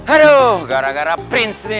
aduh gara gara prince nih